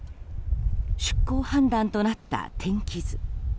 出航判断となった天気図。